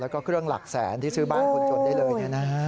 แล้วก็เครื่องหลักแสนที่ซื้อบ้านคนจนได้เลย